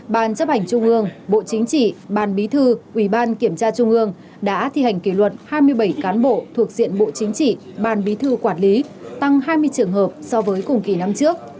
ban chấp hành trung ương bộ chính trị ban bí thư ủy ban kiểm tra trung ương đã thi hành kỷ luật hai mươi bảy cán bộ thuộc diện bộ chính trị ban bí thư quản lý tăng hai mươi trường hợp so với cùng kỳ năm trước